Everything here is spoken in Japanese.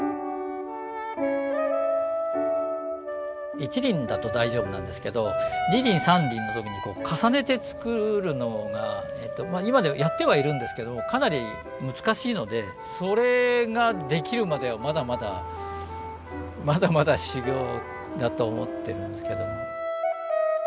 一輪だと大丈夫なんですけど二輪三輪の時に重ねて作るのが今ではやってはいるんですけどかなり難しいのでそれができるまではまだまだまだまだ修業だと思ってるんですけども。